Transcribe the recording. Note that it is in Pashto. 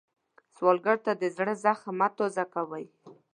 سوالګر ته د زړه زخم مه تازه کوئ